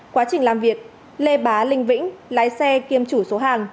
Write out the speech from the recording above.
quá trình làm việc lê bá linh vĩnh lái xe kiêm chủ số hàng